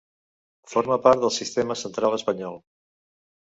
Forma part del Sistema Central espanyol.